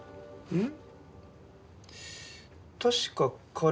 うん。